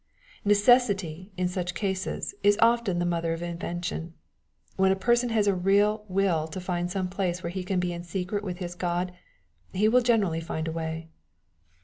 Necessity, in such cases, is often the mother of inven tion. When a person has a real wiU to find some place, where he can be in secret with his God, he will generally find a way.